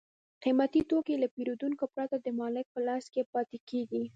قیمتي توکي له پېرودونکو پرته د مالک په لاس کې پاتې کېږي